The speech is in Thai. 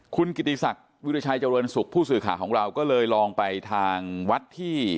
คุณกิติศักดิ์วิริชัยเจริญสุขผู้สื่อข่าวของเราก็เลยลองไปทางวัดที่